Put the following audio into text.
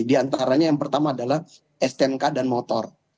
diantaranya yang pertama adalah stnk dan motor